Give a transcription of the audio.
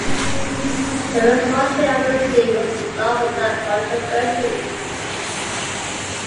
The restructuring of the zoo was not without controversy.